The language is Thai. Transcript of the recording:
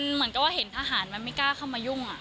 เหมือนกับว่าเห็นทหารมันไม่กล้าเข้ามายุ่ง